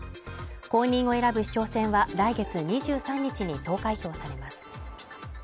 後任を選ぶ市長選は来月２３日に投開票されます。